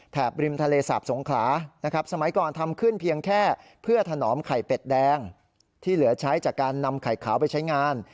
บริมทะเลสาบสงขลานะครับสมัยก่อนทำขึ้นเพียงแค่เพื่อถนอมไข่เป็ดแดงที่เหลือใช้จากการนำไข่ขาวไปใช้งาน